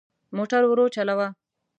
موټر ورو چلوه.